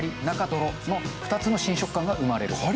「中ドロ」の２つの新食感が生まれる。